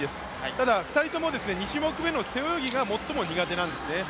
ただ２人とも２種目目の背泳ぎが最も苦手なんですね。